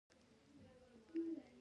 د یوسف خان او شیربانو کیسه د مینې ده.